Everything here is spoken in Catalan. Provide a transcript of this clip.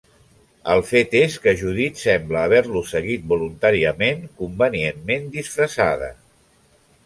El fet és que Judit sembla haver-lo seguit voluntàriament, convenientment disfressada.